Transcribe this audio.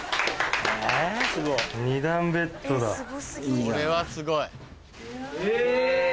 これはすごい。